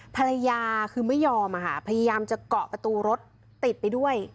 ภรรยาคือไม่ยอมอะค่ะพยายามจะเกาะประตูรถติดไปด้วย